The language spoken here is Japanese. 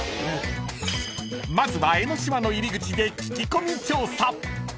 ［まずは江の島の入り口で聞き込み調査］